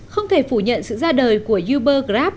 không thể phủ nhận sự ra đời của uber grab